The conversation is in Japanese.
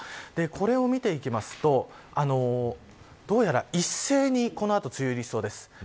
これを見ていくとどうやら一斉にこの後梅雨入りしそうです。